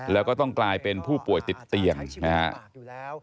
แล้วก็ต้องกลายเป็นผู้ป่วยติดเตียงนะครับ